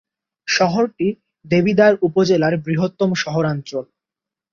শহরটি দেবিদ্বার উপজেলার বৃহত্তম শহরাঞ্চল।